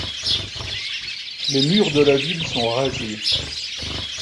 Les murs de la ville sont rasés.